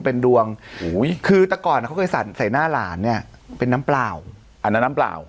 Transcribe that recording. เป็นดวงคือแต่ก่อนเขาเคยสั่นใส่หน้าหลานเนี่ยเป็นน้ำเปล่าอันนั้นน้ำเปล่า